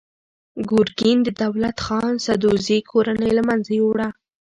ګورګین د دولت خان سدوزي کورنۍ له منځه یووړه.